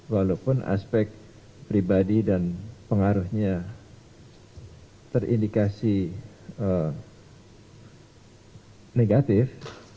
walaupun aspek pribadi dan pengaruhnya terindikasi negatif